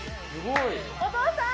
お父さん！